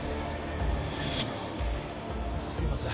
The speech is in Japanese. すいません。